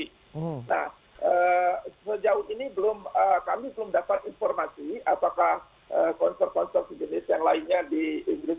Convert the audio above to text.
nah sejauh ini kami belum dapat informasi apakah konser konser sejenis yang lainnya di inggris